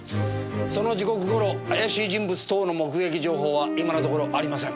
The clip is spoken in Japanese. その時刻頃怪しい人物等の目撃情報は今のところありません。